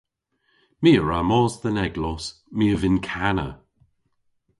My a wra mos dhe'n eglos. My a vynn kana.